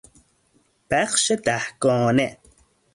بخش دهگانه